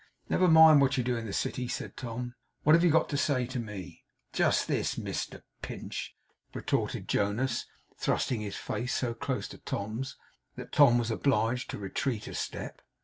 'Never mind what you do in the city,' said Tom. 'What have you got to say to me?' 'Just this, Mister Pinch,' retorted Jonas, thrusting his face so close to Tom's that Tom was obliged to retreat a step.